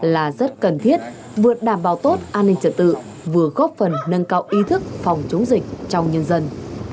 là rất cần thiết vừa đảm bảo tốt an ninh trật tự vừa góp phần nâng cao ý thức phòng chống dịch trong nhân dân